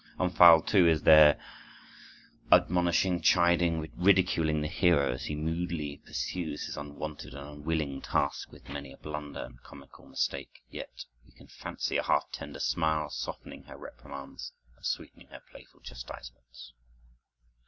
Omphale, too, is there, admonishing, chiding, ridiculing the hero, as he moodily pursues his unwonted and unwilling task with many a blunder and comical mistake; yet we can fancy a half tender smile softening her reprimands and sweetening her playful chastisements.